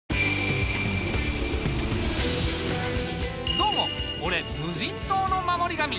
どうも俺無人島の守り神。